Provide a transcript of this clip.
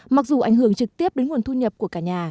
mặc dù ảnh hưởng trực tiếp đến nguồn thu nhập của cả nhà